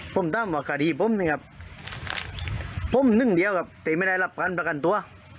ผมถามว่าคดีผมนะครับผมหนึ่งเดียวครับแต่ไม่ได้รับการประกันตัว